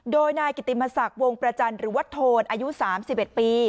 โดยนายกิติมศักดิ์วงประจันทร์หรือว่าโทนอายุ๓๑ปี